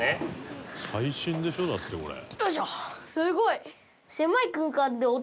すごい。